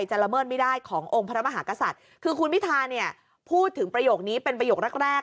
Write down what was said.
ละเมิดไม่ได้ขององค์พระมหากษัตริย์คือคุณพิธาเนี่ยพูดถึงประโยคนี้เป็นประโยคแรกแรก